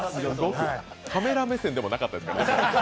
カメラ目線でもなかったですからね。